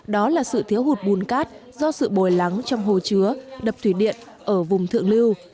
đó là sự thiếu hụt bùn cát do sự bồi lắng trong hồ chứa đập thủy điện ở vùng thượng lưu